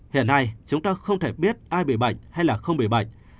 hiện nay chúng ta không thể biết ai bị bệnh hay không bị bệnh